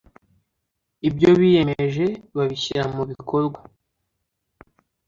ibyo biyemeje babishyira mu bikorwa